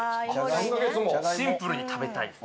シンプルに食べたい。